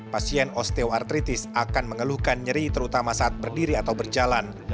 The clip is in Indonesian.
pasien osteoartritis akan mengeluhkan nyeri terutama saat berdiri atau berjalan